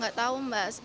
gak tau mbak